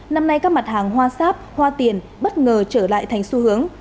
năm nay các mặt hàng hoa sáp hoa tiền bất ngờ trở lại thành xu hướng